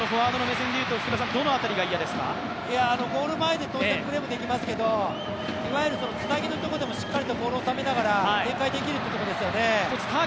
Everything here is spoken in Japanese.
ゴール前で対応するプレーもできますけど、いわゆるつなぎのところでもしっかりをボールを収めながら展開できるということですよね。